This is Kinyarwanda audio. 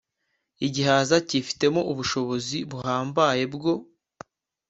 Igihaza kifitemo ubushobozi buhambaye bwo